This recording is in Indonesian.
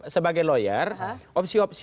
sebagai lawyer opsi opsi